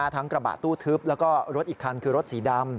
กระบะตู้ทึบแล้วก็รถอีกคันคือรถสีดำ